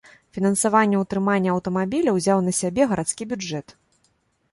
Фінансаванне ўтрымання аўтамабіля ўзяў на сябе гарадскі бюджэт.